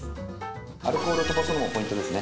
アルコール飛ばすのもポイントですね。